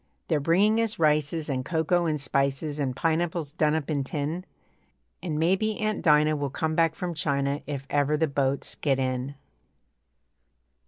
They're bringing us rices And cocoa and spices And pineapples done up in tin, And maybe Aunt Dinah Will come back from China If ever the boats get in.